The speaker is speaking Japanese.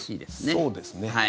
そうですね。